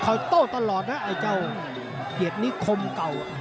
คอยโต้ะตลอดนะไอ้เจ้าเหยียบนี้คมเก่า